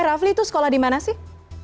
rafli itu sekolah di mana sih